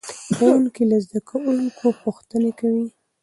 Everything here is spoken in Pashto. ښوونکی له زده کوونکو پوښتنې کوي.